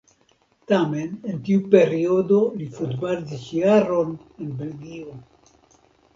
Tamen en tiu periodo li futbalis jaron en Belgio.